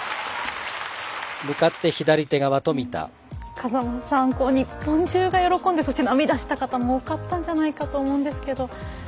風間さん日本中が喜んで涙した方も多かったんじゃないかと思うんですけど。